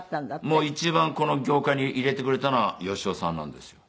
もう一番この業界に入れてくれたのは芳雄さんなんですよ。